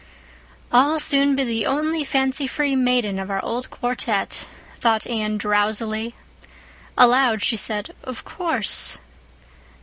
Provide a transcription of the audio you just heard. "I'll soon be the only fancy free maiden of our old quartet," thought Anne, drowsily. Aloud she said, "Of course."